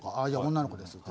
女の子ですって。